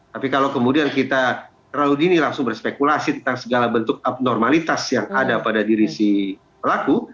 tapi kalau kemudian kita terlalu dini langsung berspekulasi tentang segala bentuk abnormalitas yang ada pada diri si pelaku